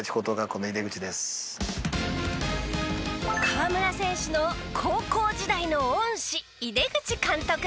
河村選手の高校時代の恩師井手口監督。